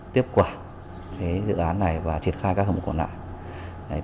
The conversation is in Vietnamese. tiếp quả dự án này và triển khai các hợp quản nạn